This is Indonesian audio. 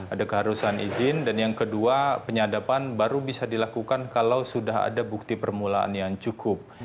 ada keharusan izin dan yang kedua penyadapan baru bisa dilakukan kalau sudah ada bukti permulaan yang cukup